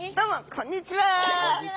こんにちは。